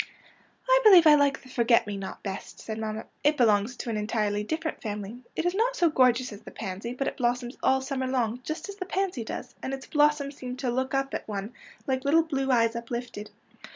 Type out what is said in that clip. ''" I believe I like the forget me not best,'^ said mamma. " It belongs to an entirely dif ferent family. It is not so gorgeous as the pansy, but it blossoms all summer long, just as the pansy does, and its blossoms seem to look up at one like little blue eyes uplifted.